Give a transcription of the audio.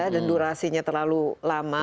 dan durasinya terlalu lama